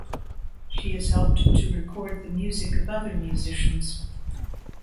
She has helped to record the music of other musicians.